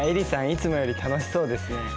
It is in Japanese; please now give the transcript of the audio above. いつもより楽しそうですね。